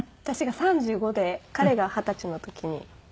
私が３５で彼が二十歳の時に。